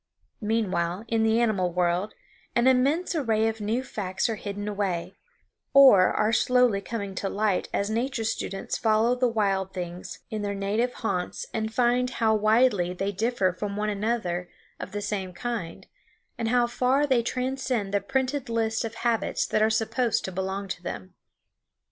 Meanwhile, in the animal world, an immense array of new facts are hidden away, or are slowly coming to light as nature students follow the wild things in their native haunts and find how widely they differ one from another of the same kind, and how far they transcend the printed lists of habits that are supposed to belong to them.